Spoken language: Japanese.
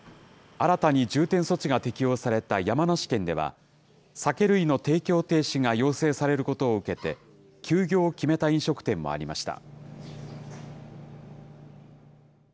新たに重点措置が適用された山梨県では、酒類の提供停止が要請されることを受けて、休業を決めた飲食店もありました。